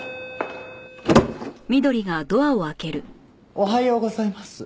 おはようございます。